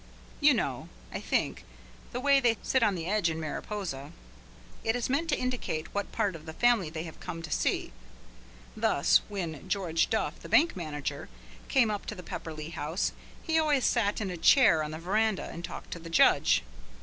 You know, I think, the way they sit on the edge in Mariposa. It is meant to indicate what part of the family they have come to see. Thus when George Duff, the bank manager, came up to the Pepperleigh house, he always sat in a chair on the verandah and talked to the judge.